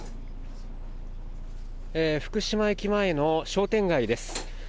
福島駅前の商店街です。